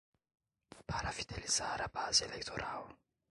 Para fidelizar a base eleitoral